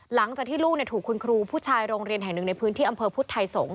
หลังจากที่ลูกถูกคุณครูผู้ชายโรงเรียนแห่งหนึ่งในพื้นที่อำเภอพุทธไทยสงศ